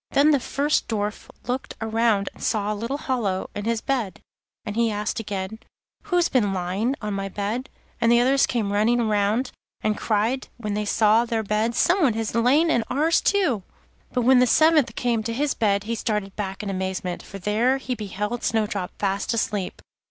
Then the first Dwarf looked round and saw a little hollow in his bed, and he asked again: 'Who's been lying on my bed?' The others came running round, and cried when they saw their beds: 'Somebody has lain on ours too.' But when the seventh came to his bed, he started back in amazement, for there he beheld Snowdrop fast asleep.